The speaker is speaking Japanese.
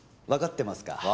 わかってますか？